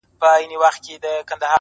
نور دي دسترگو په كتاب كي!